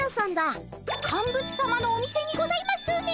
カンブツさまのお店にございますね。